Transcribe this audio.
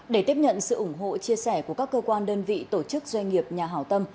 để tiếp nhận sự ủng hộ chia sẻ của các cơ quan đơn vị tổ chức doanh nghiệp nhà hảo tâm